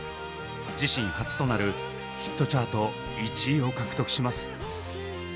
自身初となるヒットチャート１位を獲得します。